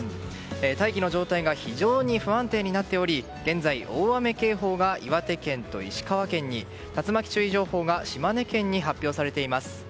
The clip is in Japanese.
大気の状態が非常に不安定になっており現在、大雨警報が岩手県と石川県に竜巻注意情報が島根県に発表されています。